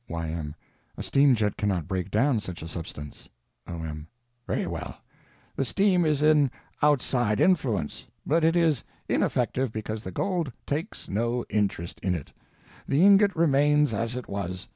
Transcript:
Y.M. A steam jet cannot break down such a substance. O.M. Very well. The steam is an _outside influence, _but it is ineffective because the gold _takes no interest in it. _The ingot remains as it was.